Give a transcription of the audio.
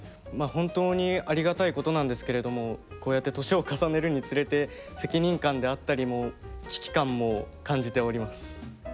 本当にありがたいことなんですけれどもこうやって年を重ねるにつれて責任感であったりも危機感も感じております。